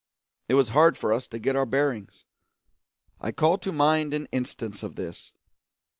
It was hard for us to get our bearings. I call to mind an instance of this.